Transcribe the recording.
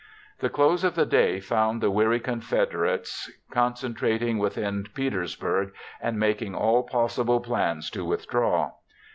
The close of the day found the weary Confederates concentrating within Petersburg and making all possible plans to withdraw.